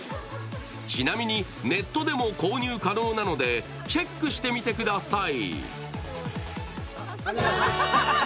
ちなみにネットでも購入可能なのでチェックしてみてください。